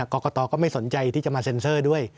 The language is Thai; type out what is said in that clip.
กรกตก็ไม่สนใจที่จะมาเซ็นเซอร์ด้วย